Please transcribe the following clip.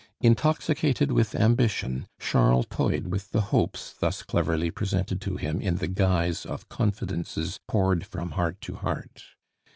Intoxicated with ambition, Charles toyed with the hopes thus cleverly presented to him in the guise of confidences poured from heart to heart.